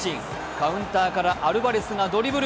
カウンターからアルバレスがドリブル。